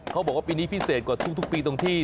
เขาบอกว่าปีนี้พิเศษกว่าทุกปีตรงที่